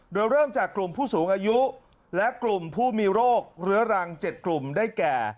โดยเริ่มจากกลุ่มผู้สูงอายุและกลุ่มผู้มีโรคเรื้อรัง๗กลุ่มได้แก่